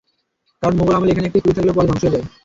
কারণ মোগল আমলে এখানে একটি পুল থাকলেও পরে ধ্বংস হয়ে যায়।